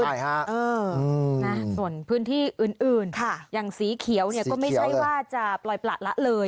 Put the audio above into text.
ใช่ค่ะหือส่วนพื้นที่อื่นค่ะสีเขียวนี่ก็ไม่ใช่ว่าจะปล่อยปรับละเลย